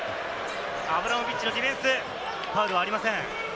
アブラモビッチのディフェンス、ファウルはありません。